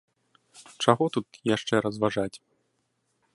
Чаго тут яшчэ разважаць!